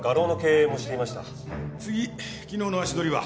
次昨日の足取りは？